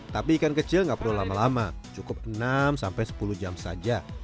tapi ikan kecil nggak perlu lama lama cukup enam sampai sepuluh jam saja